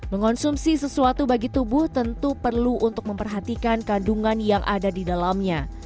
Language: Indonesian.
mengonsumsi sesuatu bagi tubuh tentu perlu untuk memperhatikan kandungan yang ada di dalamnya